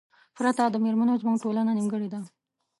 پرته د میرمنو زمونږ ټولنه نیمګړې ده